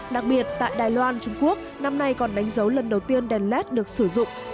đặc biệt tại đài loan trung quốc năm nay còn đánh dấu lần đầu tiên đèn led được sử dụng